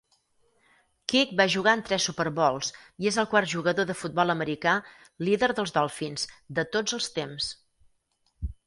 Kiick va jugar en tres Super Bowls i és el quart jugador de futbol americà líder dels Dolphins de tots els temps.